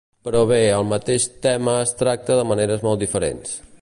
Però bé, el mateix tema es tracta de maneres molt diferents.